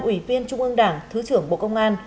ủy viên trung ương đảng thứ trưởng bộ công an